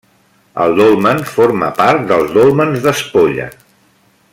El dolmen Forma part dels Dòlmens d'Espolla.